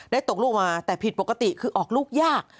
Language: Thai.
ตกลูกมาแต่ผิดปกติคือออกลูกยาก